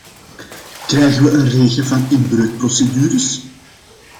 Krijgen we een regen van inbreukprocedures?